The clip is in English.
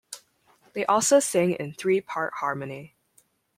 They also sing in three-part harmony.